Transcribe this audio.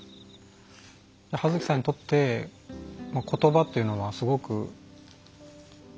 葉月さんにとって言葉っていうのはすごく大事なものですか？